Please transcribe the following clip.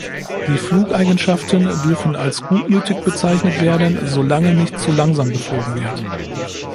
Die Flugeigenschaften dürfen als „gutmütig“ bezeichnet werden, solange nicht zu langsam geflogen wird.